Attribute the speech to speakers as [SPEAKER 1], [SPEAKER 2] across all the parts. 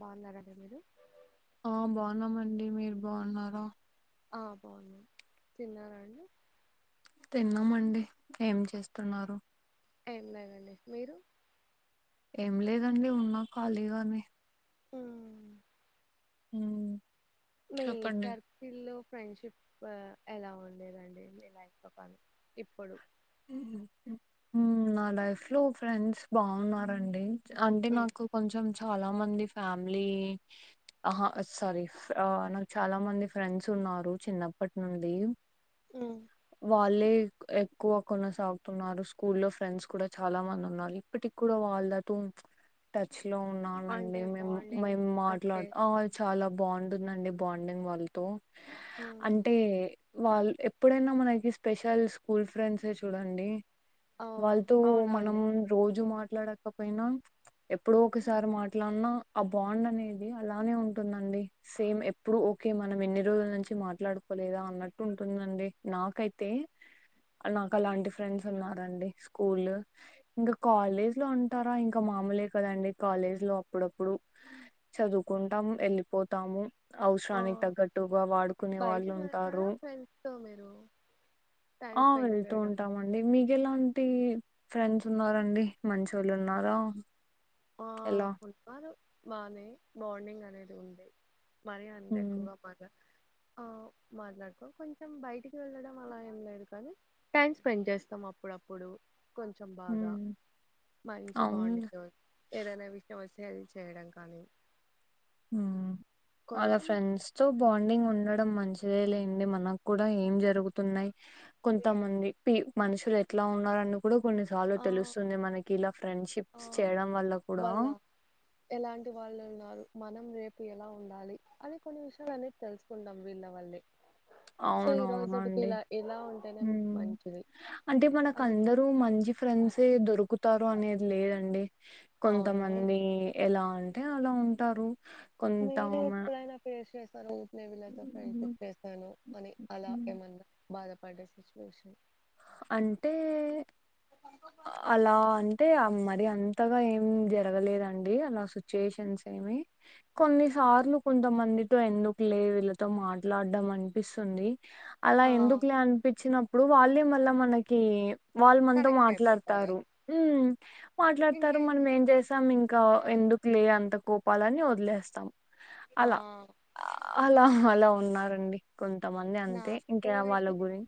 [SPEAKER 1] బాగున్నారండి మీరు
[SPEAKER 2] ఆ బాగున్నామండి మీరు బాగున్నారా
[SPEAKER 1] ఆ బాగున్నాం తిన్నారాండి
[SPEAKER 2] తిన్నామండి ఏం చేస్తున్నారు
[SPEAKER 1] ఎం లేదండి మీరు
[SPEAKER 2] ఏం లేదండి ఉన్నా ఖాళీగానే
[SPEAKER 1] ఉ
[SPEAKER 2] హు
[SPEAKER 1] మీ సర్కిల్లో ఫ్రెండ్షిప్ ఎలా ఉండేదండి మీ లైఫ్ లో కానీ ఇప్పుడు
[SPEAKER 2] నా లైఫ్ లో ఫ్రెండ్స్ బాగున్నారండి అంటే
[SPEAKER 1] మ్మ్.
[SPEAKER 2] నాకు కొంచెం చాలా మంది ఫ్యామిలీ ఆహా సారీ నాకు చాలా మంది ఫ్రెండ్స్ ఉన్నారు చిన్నప్పటి నుండి
[SPEAKER 1] ఉ
[SPEAKER 2] లేకు ఎక్ ఎక్కువ కొన సాగుతున్నారు స్కూల్ లో ఫ్రెండ్స్ కూడా చాలా మంది ఉన్నారు ఇప్పటి కూడా వాళ్ళతో టచ్ లో ఉన్నామండి
[SPEAKER 1] అంటే
[SPEAKER 2] మేము
[SPEAKER 1] బాండింగ్
[SPEAKER 2] మేము
[SPEAKER 1] అంటే
[SPEAKER 2] మాట్లాడు ఓ చాలా బాండ్ ఉందండి బాండింగ్ వాళ్ళతో
[SPEAKER 1] మ్మ్.
[SPEAKER 2] అంటే వాళ్ళు ఎప్పుడైనా మనకి స్పెషల్ స్కూల్స్ ఫ్రెండ్స్ ఎ చూడండి
[SPEAKER 1] ఆ
[SPEAKER 2] వాళ్ళతో మనం
[SPEAKER 1] అవునండి
[SPEAKER 2] రోజు మాట మాట్లాడకపోయినా ఎప్పుడ ఒకసారి మాట్లాడినా ఆ బాండ్ అనేది అలానే ఉంటుందండి సేమ్ ఎప్పుడు ఓకే మనం ఎన్ని రోజుల నుంచి మాట్లాడుకోలేదా అన్నట్టు ఉంటుందండి నాకైతే ఏ నాకు అలాంటి ఫ్రెండ్స్ ఉన్నారండి స్కూల్ ఇంకా కాలేజ్ లో అంటారా ఇంకా మామూలే కదండి కాలేజ్ లో అప్పుడప్పుడు చదువుకుంటాము వెళ్ళిపోతాము
[SPEAKER 1] ఆ
[SPEAKER 2] అవసరానికి తగ్గట్టుగా వాడుకునే వాళ్ళు
[SPEAKER 1] బయటికి వెళ్తారా
[SPEAKER 2] ఉంటారు
[SPEAKER 1] ఫ్రెండ్స్ తో మీరు టైం స్పెండ్
[SPEAKER 2] వెళ్తూ
[SPEAKER 1] చేయడం
[SPEAKER 2] ఉంటామండి మీకు ఎలా టి ఫ్రెండ్స్ ఉన్నరండి మంచోళ్ళు ఉన్నారా
[SPEAKER 1] ఆ
[SPEAKER 2] ఎలా
[SPEAKER 1] ఉన్నారు బానే బాండింగ్ అనేది ఉంది మరి అందే
[SPEAKER 2] ఉమ్
[SPEAKER 1] ఎక్కువగా పద ఆ మాట్లాడుకో కొంచెం బయటికి వెళ్ళడం అలా ఏం లేదు కానీ టైం స్పెండ్ చేస్తాం అప్పుడప్పుడు కొంచెం బాగా
[SPEAKER 2] ఉమ్
[SPEAKER 1] మంచి బాండింగ్
[SPEAKER 2] అవును
[SPEAKER 1] తో ఏదైనా విషయం వస్తే అది చేయడం కానీ
[SPEAKER 2] ఆ అదే
[SPEAKER 1] కొంచెం
[SPEAKER 2] ఫ్రెండ్స్ తో బాండింగ్ ఉండట్ ఇ మంచిదే లేండి మనకు కూడా ఏం జరుగుతున్నాయ్ క కొంతమంది పి మనుషులు ఎట్లా ఉన్నన్నారని ఇప్పుడు కొన్ని సార్లు
[SPEAKER 1] ఆ
[SPEAKER 2] తెలుస్తుంది మనకి ఇలా ఫ్రెండ్
[SPEAKER 1] ఆ
[SPEAKER 2] షిప్స్ చేయడం వల్ల కూడా
[SPEAKER 1] వాళ్ళ ఎలాంటి వాళ్ళు ఉన్నారు మనం రేపు ఎలా ఉండాలి అని కొన్ని విషయాలు అనేది తెలుసుకుంటాం వీళ్ళ వల్లే సో ఈ రోజుటికి
[SPEAKER 2] అవునవునండి
[SPEAKER 1] ఇలా ఇలా ఉంటేనే మంచిది
[SPEAKER 2] అంటే మనకు
[SPEAKER 1] అని
[SPEAKER 2] అందరూ మంచి ఫ్రెండ్స్ ఏ దొరుకుతారు అనేది లేదండి
[SPEAKER 1] అవును
[SPEAKER 2] కొంతమంది ఎలా అంటే అంటే అలా ఉంటారు కొంత
[SPEAKER 1] మీరు
[SPEAKER 2] మ
[SPEAKER 1] ఎప్పుడైనా ఫేస్ చేశారా అను నేను ఈల్లతో ఫ్రెండ్ షిప్ చేసాను అని అలా ఏమన్నా బాధ పడే సిచువేషన్
[SPEAKER 2] అంటే అలా అంటే మరి అంతగా ఏం జరగలేదండి అలా సిచ్యుయేషన్స్ ఏమి కొన్నిసార్లు కొంతమందితో ఎందుకులే వీళ్ళతో మాట్లాడం అనిపిస్తుంది అలా
[SPEAKER 1] ఆ
[SPEAKER 2] ఎందుకులే అనిపించినప్పుడు వాళ్ళే మల్ల మనకి వాళ్ళు మనతో మాట్లా
[SPEAKER 1] కనెక్ట్ అయిపోతారు
[SPEAKER 2] మాట్లాడతారు మాట్లాడతారు మనం
[SPEAKER 1] ఇంకేంటి
[SPEAKER 2] ఏం చేసాం ఇంకా
[SPEAKER 1] ఆ
[SPEAKER 2] ఎందుకు లే అంత కో వాళ్ళని వదిలేస్తాం
[SPEAKER 1] ఆ!
[SPEAKER 2] అలా అలా అలా ఉ ఉన్నారండి కొంతమంది అంతే
[SPEAKER 1] నాకు
[SPEAKER 2] ఇంకా వాళ్ళ
[SPEAKER 1] అయితే
[SPEAKER 2] గురి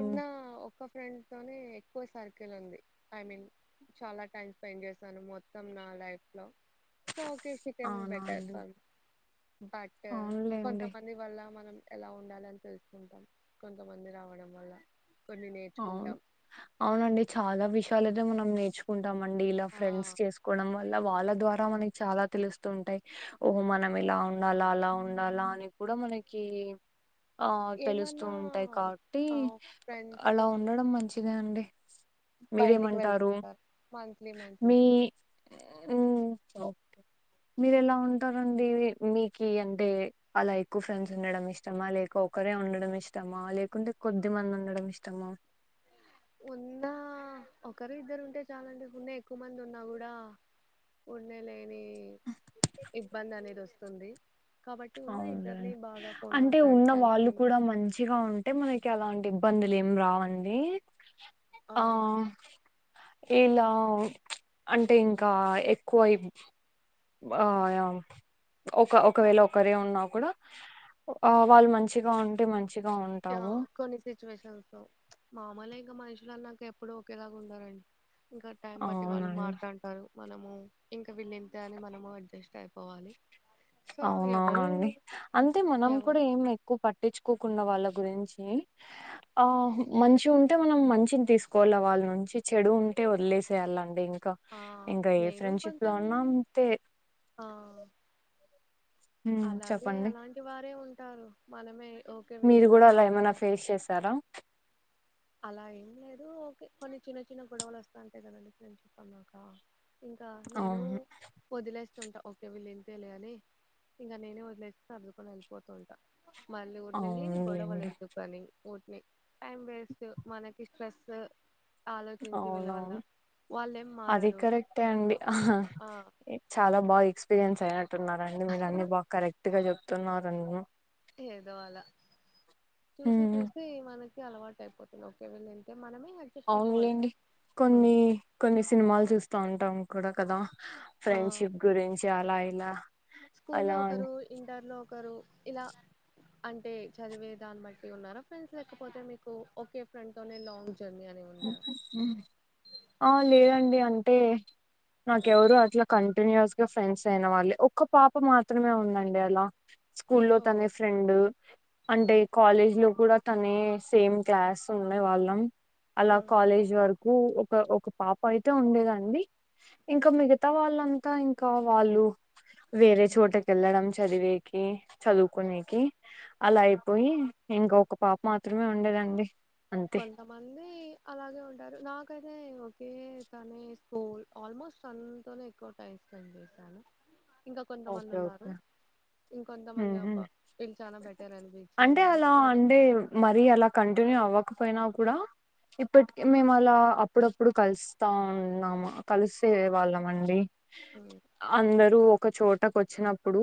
[SPEAKER 1] ఉన్న ఒక్క ఫ్రెండ్ తోనే ఎక్కువ సర్కిల్ ఉంది ఐ మీన్ చాలా టైం స్పెండ్ చేశాను మొత్తం నా లైఫ్ లో సో ఓకేె షికెన్
[SPEAKER 2] అవునా
[SPEAKER 1] బెటర్
[SPEAKER 2] అండి
[SPEAKER 1] బట్
[SPEAKER 2] అవునులేండి
[SPEAKER 1] కొంతమంది వల్ల మనం ఎలా ఉండాలని తెలుసుకుంటాం కొంతమంది రావడం వల్ల కొన్ని
[SPEAKER 2] అవును
[SPEAKER 1] నేర్చుకుంటాం
[SPEAKER 2] అవునండి చాలా విషయం చాలద మనం నేర్చుకుంటాం అండి ఇలా
[SPEAKER 1] ఆ
[SPEAKER 2] ఫ్రెండ్స్ చేసుకోవడం వల్ల వాళ్ళ ద్వారా మనకి చాలా తెలుస్తుంటాయి ఓహో మనం ఇలా ఉండాలా అలా ఉండాలా అని కూడా మనకి ఆ తెలుస్తూ
[SPEAKER 1] ఏమన్నా
[SPEAKER 2] ఉంటాయి కాబట్టి
[SPEAKER 1] ఆ ఫ్రెండ్స్
[SPEAKER 2] అలా
[SPEAKER 1] తో
[SPEAKER 2] ఉండడం మంచిగా అండి
[SPEAKER 1] బయటికి
[SPEAKER 2] మీరేమంటారు
[SPEAKER 1] వెళ్తుంటారు మంత్లీ మంత్లీ
[SPEAKER 2] ఓకే మీరు ఎలా ఉంటారండి మీకు అంటే అలా ఎక్కువ ఫ్రెండ్స్ ఉండడం ఇష్టమా లేక ఒకరే ఉండడం ఇష్టమా లేకుంటే కొద్ది మంది ఉండడం ఇష్టం తమం
[SPEAKER 1] ఉన్నా ఒకరు ఇద్దరు ఉంటే చాల అంటే ఉన్నే ఎక్కువ మంది ఉన్నా కూడా ఉన్నే లే ఇబ్బంది అనేది వస్తా వస్తుంది కాబట్టి ఉన్న ఇద్దరిని
[SPEAKER 2] అవునులేండి
[SPEAKER 1] బాగా ఫోన్
[SPEAKER 2] అంటే
[SPEAKER 1] మాట్లాడి
[SPEAKER 2] ఉన్న
[SPEAKER 1] టైం
[SPEAKER 2] వాళ్ళు
[SPEAKER 1] స్పెండ్
[SPEAKER 2] కూడా మంచిగా ఉంటే మనకి ఎలాంటి ఇబ్బందులు ఏం రావండి ఆ ఇలా అంటే ఇంకా ఎక్కువ ఆ ఒక ఒకవేళ ఒకరే ఉన్నా కూడా వాళ్ళు మంచిగా ఉంటే మంచి
[SPEAKER 1] యా కొన్ని సిచ్యువేషన్స్ లో మామూలే ఇంకా మనుషులు అన్నాక ఎప్పుడు ఒకేలాగ ఉండర్ ఇంకా టైం బట్టి వాళ్ళు
[SPEAKER 2] అవునండి
[SPEAKER 1] మాట్లంటారు మనము ఇంక వీళ్ళ ఎంత అని మనము అడ్జస్ట్ అయిపోవాలి. సో ఎవరు
[SPEAKER 2] అవునవునండి అంతే మనం కూడా
[SPEAKER 1] ఎవరు
[SPEAKER 2] ఏం ఎక్కువ పట్టించు తక్కుకున్న వాళ్ళ గురించి ఆ మంచి ఉంటే మనం మంచిని తీసుకోవాలి. వాళ్ళ నుంచి చెడు ఉంటే వదిలేసేయాలండి. ఇం ఇంక
[SPEAKER 1] ఆ
[SPEAKER 2] ఇంకా ఏ
[SPEAKER 1] నేను
[SPEAKER 2] ఫ్రెండ్షిప్ లో
[SPEAKER 1] కొంచెం
[SPEAKER 2] ఉన్నా అంతే
[SPEAKER 1] ఆ
[SPEAKER 2] ఉమ్
[SPEAKER 1] అలాగే
[SPEAKER 2] చెప్పండి
[SPEAKER 1] అలాంటి వారే ఉన్ ఉంటారు మనమే ఓకే వీళ్ళు
[SPEAKER 2] మీరు కూడా
[SPEAKER 1] ఇలాగా
[SPEAKER 2] అలా ఏమైనా
[SPEAKER 1] ఉన్నారని
[SPEAKER 2] ఫేస్ చేసారా
[SPEAKER 1] అలా ఏం లేదు. ఓకే కొన్ని చిన్న చిన్న గొడవలు వస్తా ఉంటాయి కదండి ఫ్రెండ్షిప్ అన్నాక. ఇంకా నేను
[SPEAKER 2] అవును
[SPEAKER 1] వదిలేస్తుంటాం ఓకే వీళ్ళు ఇంతేలే అని ఇంకా నేనే వదిలేస్త సర్దుకొని వెళ్ళిపోతు ఉంటా మళ్ళి ఊరి నెల్లి గొడవలు
[SPEAKER 2] అవునులేండి
[SPEAKER 1] ఇరద్దువు కానీ ఊ మీ టైమ్ వేస్ట్ మనకి స్ట్రెస్ ఆలోచించి వీళ్ళ వల్ల
[SPEAKER 2] అవునవును
[SPEAKER 1] వాళ్ళేం
[SPEAKER 2] అది
[SPEAKER 1] మారరు
[SPEAKER 2] కరెక్టే అండి హా హ
[SPEAKER 1] ఆ
[SPEAKER 2] చాలా బాగా ఎక్స్పీ ఎస్పీరిన్స్ అయ్యారు రండి మీరు అన్నీ బాగ కరెక్ట్ గా చెప్ తున్నారంటన
[SPEAKER 1] ఏదో అల చూసి
[SPEAKER 2] ఉమ్
[SPEAKER 1] చూసి మనకి అలవాటు అయిపోతుంది ఒకే వీళ్ళు వెళ్తే
[SPEAKER 2] అవునులేండి కొన్ని
[SPEAKER 1] ఉమ్.
[SPEAKER 2] కొన్ని సినిమాలు చూత్తం ఉం కూడా కదా ఫ్రెండ్షిప్ గురించి అలా ఇలా
[SPEAKER 1] స్కూల్ లో
[SPEAKER 2] అలా అని.
[SPEAKER 1] ఒకరు ఇంటర్ లో ఒకరు ఇలా అంటే చదివే దాన్ని బట్టి ఉన్నార ఫ్రెండ్స్ లేకపోతే మీకు ఒకే ఫ్రెండ్ తోనే లాంగ్ జర్నీ అని ఉందా
[SPEAKER 2] ఆ లేదండి అంటే
[SPEAKER 1] ఉమ్,
[SPEAKER 2] నాకెవరు అట్ కన్ కంటిన్యూస్ గా ఫ్రెండ్స్ అయిన వాళ్ళే ఒక్క పాప మాత్రమే ఉందండి అలా స్కూల్లో
[SPEAKER 1] ఓ
[SPEAKER 2] తనే ఫ్రెండ్ అంటే
[SPEAKER 1] ఉమ్
[SPEAKER 2] కాలేజ్ లో ఇప్పుడు కూడా తనే సేమ్ క్లాస్ ఉన్నే వాళ్ళం అలా
[SPEAKER 1] ఉమ్.
[SPEAKER 2] కాలేజ్ వరకు ఒక ఒక పాప అయితే ఉండేదండి ఇంకా మిగతా వాళ్ళంతా ఇంకా వాళ్ళు వేరే చోటకి వెళ్ళడం చదివేకి చదువుకునేకి అలా అయిపోయి ఇంకా ఒక పాప మాత్రమే ఉండేదండి అంతే
[SPEAKER 1] కొంతమంది కొంతమంది అలాగే ఉంటారు నాకైతే ఒకే కాలేజ్ ఆల్మోస్ట్ తనేతొనేఎక్కువ టైం స్పెండ్ చేశాను ఇంకా కొంతమంది ఉన్నారు ఇంకొంతమంది అబ్బా వీళ్ళు చాలా బెటర్ అనిపించి
[SPEAKER 2] అంటే
[SPEAKER 1] ఇలాగ
[SPEAKER 2] అలా
[SPEAKER 1] ఉన్నారు
[SPEAKER 2] అంటే మరి అలా కంటిన్యూ అవ్వకు పోయినా కూడా ఇప్పటిక మేము అలా అప్పుడప్పుడు కలుస్తా ఉన్నాము కలిసే వాళ్ళం అండి
[SPEAKER 1] ఉమ్
[SPEAKER 2] అందరు చోట కొచ్చినప్పుడు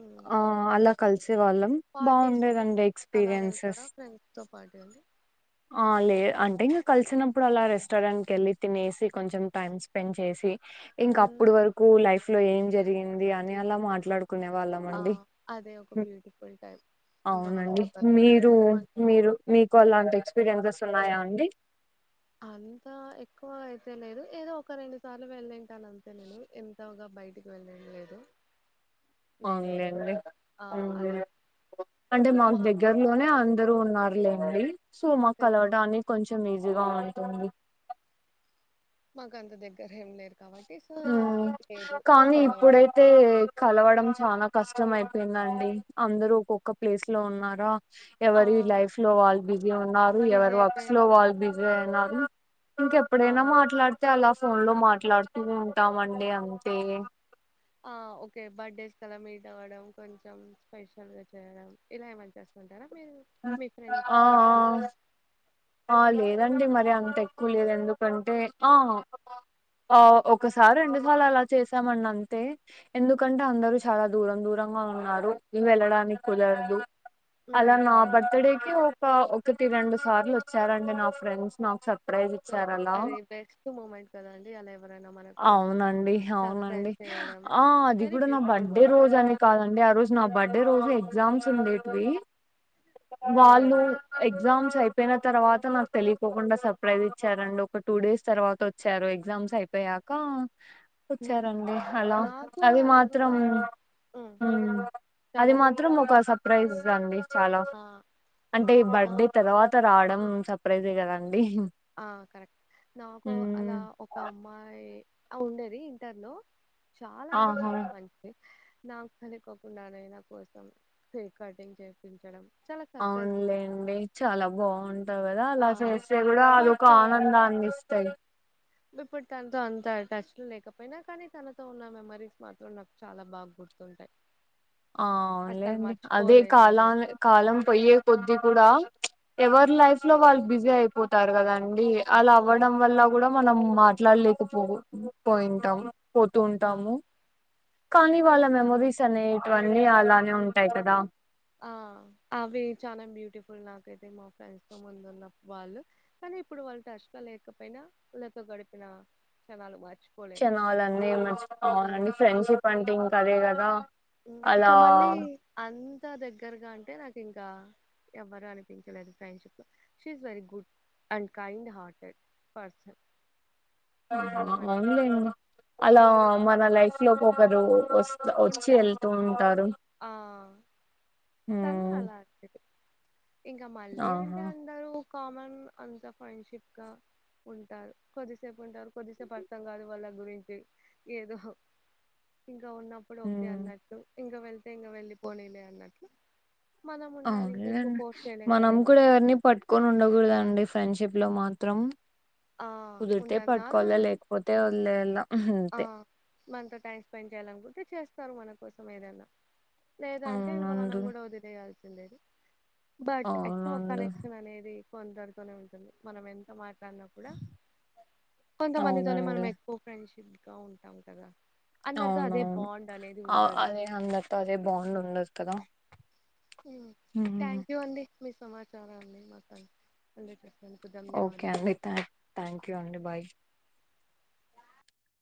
[SPEAKER 1] ఉమ్
[SPEAKER 2] ఆ అలా కలిసే వాళ్ళం
[SPEAKER 1] పార్టీస్ కి
[SPEAKER 2] బాగుండేదండి
[SPEAKER 1] అలా
[SPEAKER 2] ఎక్స్పీరియన్సెస్
[SPEAKER 1] వెళ్తారా ఫ్రెండ్స్ తో పాటు అండి
[SPEAKER 2] ఆ లే అంటే కలిసినప్పుడు అలా రెస్టారెంట్ కి వెళ్ళి తినేసి కొంచెం టైం స్పెండ్ చేసి ఇంకా
[SPEAKER 1] ఉమ్,
[SPEAKER 2] అప్పుడు వరకు లైఫ్ నా ఎంజాల్ తినింది ది అని అలా మాట్లాడుకు కొనే వాళ్ళం
[SPEAKER 1] ఆ
[SPEAKER 2] అండి
[SPEAKER 1] అదే ఒక బ్యూటిఫుల్ టైం ఇంకా
[SPEAKER 2] అవునండి
[SPEAKER 1] వాళ్ళతో కలిసి
[SPEAKER 2] మీరు మీరు మీకు అలాంటి మ్యాంగొస్ ఉన్నాయా అండి
[SPEAKER 1] అంతా ఎక్కువ అయితే లేదు ఏదో ఒక రెండు సార్లు వెళ్ళంటాను అంతే నేను ఎంతగా బయటికి వెళ్ళింట్ల లేదు నేనైతే
[SPEAKER 2] అవునులేండి
[SPEAKER 1] ఆ అలా
[SPEAKER 2] అంటే [unintelligible]
[SPEAKER 1] మా
[SPEAKER 2] మాకు దగ్గరలోనే అ ఇద్దరు ఉన్నారు లేండి సో మాక్
[SPEAKER 1] మాకైతే
[SPEAKER 2] కలవడాన్ని కొంచెం ఇజి జగన్ [inaudible] అంటుంది
[SPEAKER 1] మాకంత దగ్గర ఏం లేరు కాబట్టి సో
[SPEAKER 2] మ్మ్
[SPEAKER 1] లేదు
[SPEAKER 2] కానీ
[SPEAKER 1] కలవడానికి
[SPEAKER 2] ఇప్పుడైతే కలవడం చాన కష్టం అయిపోయిందండి అందరు ఒక్కొక్క ప్లేస్ లో ఉన్నారా
[SPEAKER 1] ఆ
[SPEAKER 2] ఎవరి లైఫ్ లో వాళ్ళు బిజీ ఉన్నారు
[SPEAKER 1] బిజీ
[SPEAKER 2] ఎవరి
[SPEAKER 1] అయిపోయి
[SPEAKER 2] వర్క్స్ లో వాళ్ళు బిజి [unintelligible] నాది
[SPEAKER 1] ఆ
[SPEAKER 2] ఇంకెప్పుడైనా మాట్లాడితే అలా ఫోన్ లో మాట్ ఎట్లా [unintelligible] అటు ఉంటామండి అంతే
[SPEAKER 1] ఆ ఓకే బర్త్ డేస్ కు అలా మీట్ అవ్వడం కొంచెం స్పెషల్ గా చేయడం ఇలా ఏమన్నా చేస్తుంటారా మీరు మీ
[SPEAKER 2] ఆ
[SPEAKER 1] ఫ్రెండ్కి అప్పుడు
[SPEAKER 2] ఆ ఆ, లేదండి మరి అంత ఎక్కువ లేదు ఎందుకంటే ఆ ఆ ఒకసారి రెండుసార్లు అలా చేసామండి అంతే ఎందుకంటే అందరూ చాలా దూరం దూరంగా ఉన్నారు వెళ్ళడానికి కుదరదు అలా
[SPEAKER 1] హ్మ్
[SPEAKER 2] నా
[SPEAKER 1] అవును
[SPEAKER 2] బర్త్ డేకి ఒక ఒక్ ఒకటి రెండు సార్లు చ్చారండి నా ఫ్రెండ్స్ నాక్ సప్ ప్రైజ్
[SPEAKER 1] సో
[SPEAKER 2] ఇచ్చారు అన్నావ్
[SPEAKER 1] అది బెస్ట్ మూమెంట్ కదండి అలా ఎవరైనా మన కోసం
[SPEAKER 2] అవునండి
[SPEAKER 1] సర్ప్రైజ్
[SPEAKER 2] అవునండి
[SPEAKER 1] చేయడం
[SPEAKER 2] ఆ అది
[SPEAKER 1] వెరీ
[SPEAKER 2] కూడా నా
[SPEAKER 1] బ్యూటిఫుల్
[SPEAKER 2] బర్త్డే
[SPEAKER 1] మూమెంట్.
[SPEAKER 2] రోజు అని కాదండి ఆ రోజు నా బడ్ అదే రోజు ఎగ్జామ్స్ ఉండేటివి వాళ్ళు
[SPEAKER 1] ఓహ్!
[SPEAKER 2] ఎగ్జామ్స్ అయిపోయిన తర్వాత నాకు తెలియపోకుండా సర్ప్రైజ్ ఇచ్చారండి ఒక టూ డేస్ తర్వాత వచ్చారు ఎగ్జామ్స్ అయిపోయాక
[SPEAKER 1] హ్మ్.
[SPEAKER 2] వచ్చారండి అలా
[SPEAKER 1] నాకు
[SPEAKER 2] అది మాత్రం
[SPEAKER 1] అలాగగా హ్మ్.
[SPEAKER 2] హమ్ అది
[SPEAKER 1] చాలా
[SPEAKER 2] మాత్రం ఒక సప్ ప్రైజ్ అండి చాలా
[SPEAKER 1] ఆ!
[SPEAKER 2] అంటే
[SPEAKER 1] నా
[SPEAKER 2] బర్త్డే తర్వాత రావడం ఉమ్ సర్ప్రైజే కదన్
[SPEAKER 1] ఆ కరెక్ట్ నాకు అలా
[SPEAKER 2] మ్మ్
[SPEAKER 1] ఒక అమ్మాయి అ ఉండేది ఇంటర్లో చాలా అంటే
[SPEAKER 2] ఆహా
[SPEAKER 1] చాలా మంచిది నాకు తెలికోకుండానే నా కోసం కేక్ కటింగ్ చేపించడం చాలా సర్ప్రైజింగ్‌గా
[SPEAKER 2] అవునులేండి చాలా బాగుంటది కదా అలా
[SPEAKER 1] ఆ!
[SPEAKER 2] చేస్తే కూడా అదొక
[SPEAKER 1] బట్
[SPEAKER 2] ఆనందానిస్తయి
[SPEAKER 1] త టచ్ లో లేకపోయినా కానీ తనతో ఉన్న మెమరీస్ మాత్రం నాకు చాలా బాగా గుర్తుంటాయి అసలు
[SPEAKER 2] అవునులేండి అదే
[SPEAKER 1] మర్చిపోలేనివి.
[SPEAKER 2] కాలాల కాలం పొయ్యే కొద్ది కూడా ఎవరి లైఫ్ లో వాళ్ళు బిజీ అయిపోతారు కదా అండి అలా
[SPEAKER 1] ఆ!
[SPEAKER 2] అవ్వడం వల్ల కూడా మనం మాట్లాడలేకపో పోయింటాం పోతూ
[SPEAKER 1] ఆ!
[SPEAKER 2] ఉంటాము కానీ వాళ్ళ మెమరీస్ అనే అన్నీ అలానే ఉంటాయి కదా
[SPEAKER 1] ఆ అవి చాలా బ్యూటిఫుల్ నాకైతే మా ఫ్రెండ్స్ తో ముందు ఉన్న వాళ్ళు కానీ ఇప్పుడు వాళ్ళు టచ్ లో లేకపోయినా వాళ్ళతో గడిపిన క్షణాలు మర్
[SPEAKER 2] క్షణాలన్ని మర్చిపోవాలని ఫ్రెండ్షిప్ అంటే ఇంకా అదే క దా
[SPEAKER 1] ఇంకా మళ్ళీ అన్ త దగ్గరగా అంటే నాకు ఇంకా ఎవ్వరు అనిపించలేదు friendship she is very good and kind hearted person
[SPEAKER 2] ఆ
[SPEAKER 1] చాలా మంచి
[SPEAKER 2] అవునులేండి అలా మన లైఫ్ లోకి ఒకరు వస్త వచ్చి
[SPEAKER 1] ఉంటా
[SPEAKER 2] వెళ్తూ ఉంటారు
[SPEAKER 1] ఆ
[SPEAKER 2] హ
[SPEAKER 1] తను అలాంటిది ఇంకా మళ్ళీ అంటే అందరూ కామన్ అంతా ఫ్రెండ్షిప్ గా ఉంటారు కొద్దిసేపు ఉంటారు కొద్దిసేపు అర్థం కాదు వాళ్ళ గురించి ఏదో ఇంకా ఉన్న ఇప్పుడు ఓకే
[SPEAKER 2] ఉమ్
[SPEAKER 1] అనట్లు ఇంక వెళ్తే ఇంక వెళ్ళి పోనీలే అన్నట్లు మనం ఉండాలి ఇంకా ఎక్కువ
[SPEAKER 2] అవునులేండి
[SPEAKER 1] ఫోర్స్ చేయలేం కదా
[SPEAKER 2] మనం కూడా ఎవరిని పట్టుకొని ఉండకూడదండి ఫ్రెండ్షిప్ లో మాత్రం
[SPEAKER 1] ఆ
[SPEAKER 2] కుదిరితే
[SPEAKER 1] ఉన్నన్నాళ్ళు
[SPEAKER 2] పట్టుకోవాలా
[SPEAKER 1] ఉన్న
[SPEAKER 2] లేకపోతే వదిలేయాలా
[SPEAKER 1] ఆ మనతో టైమ్ స్పెండ్ చేయ్యాలనుకుంటే చేస్త ఇస్తారు మన కోసం ఏదన్నా లేదంటే ఇంకా మనం
[SPEAKER 2] అవునండి
[SPEAKER 1] కూడా వదిలేయలీ లేదు బట్ ఎక్కువ
[SPEAKER 2] అవునండి
[SPEAKER 1] కనెక్షన్ అనేది కొందరితో నే ఉంటుంది మనం ఎంత మా ద్దన్నా కూడా కొంతమందితోనే మనం
[SPEAKER 2] అవునండి
[SPEAKER 1] ఎక్కువ ఫ్రెండ్స్ ఇంకా ఉంటా ఉంటగా
[SPEAKER 2] అవునవును
[SPEAKER 1] ఉండదు
[SPEAKER 2] అదే అందరితో అదే బాండ్ ఉండదు కదా
[SPEAKER 1] ఉమ్
[SPEAKER 2] ఉమ్
[SPEAKER 1] థ్యాంక్ యూ అండి మిస్ సమాచారం అండి మాకు అందుకే
[SPEAKER 2] ఓకే అండి థ్యాంక్ యూ అండి బాయ్